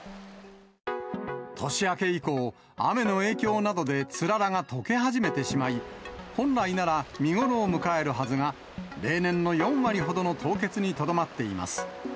年明け以降、雨の影響などでつららがとけ始めてしまい、本来なら見頃を迎えるはずが、例年の４割ほどの凍結にとどまっています。